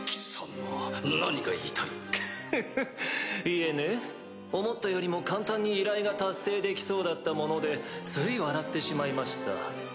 いえね思ったよりも簡単に依頼が達成できそうだったものでつい笑ってしまいました。